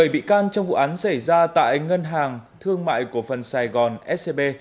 bảy bị can trong vụ án xảy ra tại ngân hàng thương mại cổ phần sài gòn scb